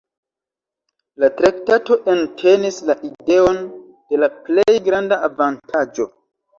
La traktato entenis la ideon de la plej granda avantaĝo.